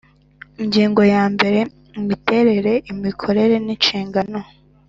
Ingingo ya mbere Imiterere imikorere n inshingano